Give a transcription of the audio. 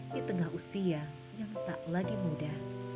di tengah usia yang tak lagi muda